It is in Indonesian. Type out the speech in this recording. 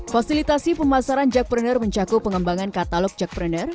fasilitasi pemasaran jackpreneur mencakup pengembangan katalog jackpreneur